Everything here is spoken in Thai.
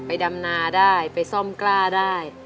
ดำนาได้ไปซ่อมกล้าได้